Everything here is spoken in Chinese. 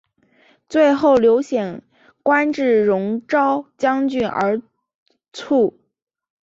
最后刘显官至戎昭将军而卒。